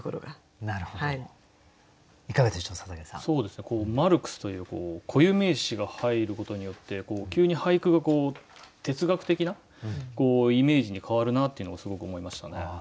そうですねこうマルクスという固有名詞が入ることによって急に俳句が哲学的なイメージに変わるなっていうのをすごく思いましたね。